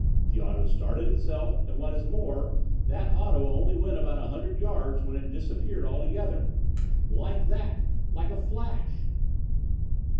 The auto started itself, and what is more, that auto only went about a hundred yards when it disappeared altogether like that like a flash."